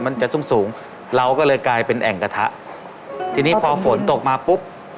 มันจะสูงสูงเราก็เลยกลายเป็นแอ่งกระทะทีนี้พอฝนตกมาปุ๊บ